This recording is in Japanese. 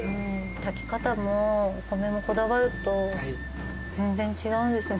炊き方もお米もこだわると全然違うんですね。